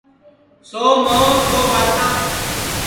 سو مُہو سو ٻاتاں